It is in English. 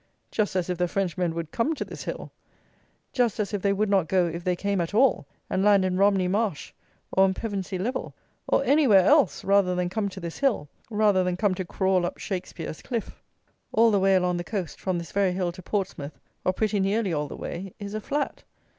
Just as if the Frenchmen would come to this hill! Just as if they would not go (if they came at all) and land in Romney Marsh, or on Pevensey Level, or anywhere else, rather than come to this hill; rather than come to crawl up Shakspeare's cliff. All the way along the coast, from this very hill to Portsmouth, or pretty nearly all the way, is a flat.